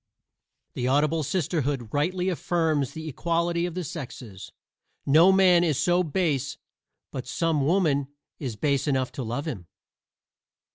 The Audible Sisterhood rightly affirms the equality of the sexes: no man is so base but some woman is base enough to love him.